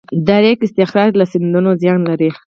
د ریګ استخراج له سیندونو زیان لري؟